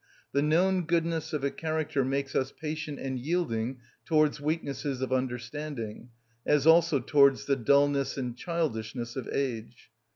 The known goodness of a character makes us patient and yielding towards weaknesses of understanding, as also towards the dulness and childishness of age.